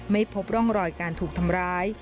ไม่พบร่องรอยการถูกทำร้าย